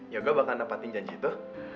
yoga bakal nampatin janji itu